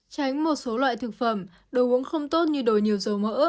tránh một số loại thực phẩm đồ uống không tốt như đồi nhiều dầu mỡ